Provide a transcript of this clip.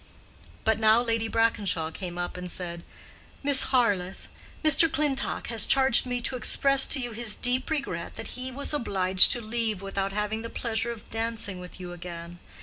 But now Lady Brackenshaw came up and said, "Miss Harleth, Mr. Clintock has charged me to express to you his deep regret that he was obliged to leave without having the pleasure of dancing with you again.